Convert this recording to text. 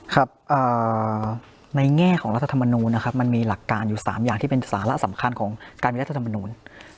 ครับในแง่ของรัฐธรรมนูลนะครับมันมีหลักการอยู่๓อย่างที่เป็นสาระสำคัญของการมีรัฐธรรมนูล